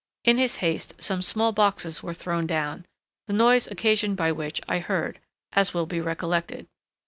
In his haste some small boxes were thrown down, the noise occasioned by which I heard, as will be recollected.